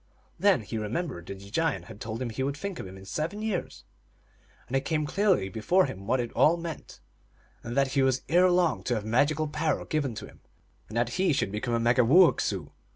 Then he remembered that the giant had told him he would think of him in seven years ; and it came clearly before him what it all meant, and that he was 374 THE ALGONQUIN LEGENDS. erelong to have magical power given to him, and that he should become a Megumoowessoo.